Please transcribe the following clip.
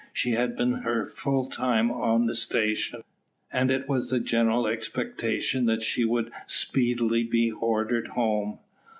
She had been her full time on the station, and it was the general expectation that she would speedily be ordered home.